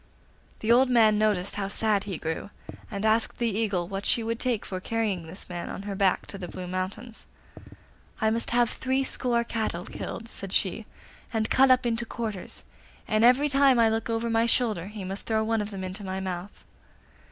The old man noticed how sad he grew, and asked the Eagle what she would take for carrying this man on her back to the Blue Mountains. 'I must have threescore cattle killed,' said she, 'and cut up into quarters, and every time I look over my shoulder he must throw one of them into my mouth.